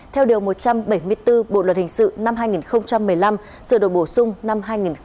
theo điều một trăm bảy mươi bốn bộ luật hình sự năm hai nghìn một mươi năm sửa đổi bổ sung năm hai nghìn một mươi bảy